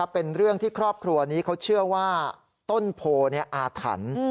เป็นเรื่องที่ครอบครัวนี้เขาเชื่อว่าต้นโพอาถรรพ์